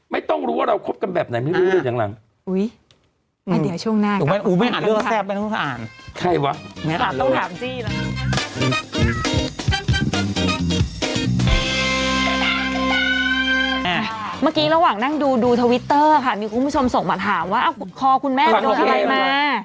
เมื่อกี้ระหว่างนั่งดูดูทวิตเตอร์ค่ะมีคุณผู้ชมส่งมาถามว่าคอคุณแม่โดนอะไรมา